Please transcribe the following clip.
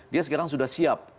dia sekarang sudah siap